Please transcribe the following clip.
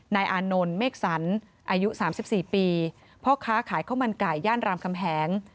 นายอานนท์เมฆสันอายุ๓๔ปีพ่อค้าขายข้าวมันไก่ย่านรามคำแหง